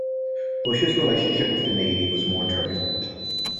Bush's relationship with the navy was more turbulent.